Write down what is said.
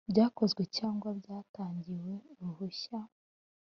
Byakozwe cyangwa byatangiwe uruhushya